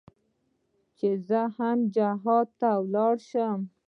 چې زه هم جهاد ته ولاړ سم.